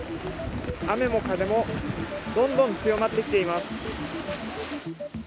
雨も風もどんどん強まってきています。